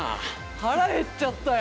腹減っちゃったよ。